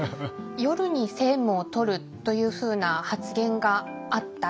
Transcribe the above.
夜に政務をとるというふうな発言があった。